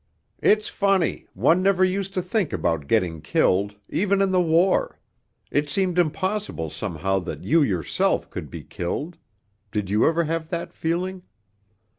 It's funny, one never used to think about getting killed, even in the war ... it seemed impossible somehow that you yourself could be killed (did you ever have that feeling?)